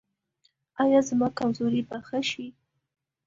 ایا زما کمزوري به ښه شي؟